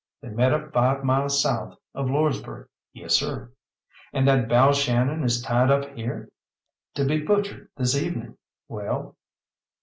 "They met up five mile south of Lordsburgh. Yessir." "And that Balshannon is tied up here?" "To be butchered this evening. Well?"